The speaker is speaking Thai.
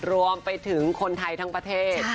รวมไปถึงคนไทยทั้งประเทศ